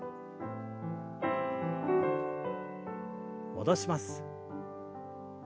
戻します。